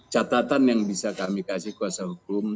catatan yang bisa kami kasih kuasa hukum